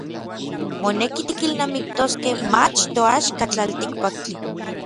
Moneki tikilnamiktoskej mach toaxka tlaltikpaktli.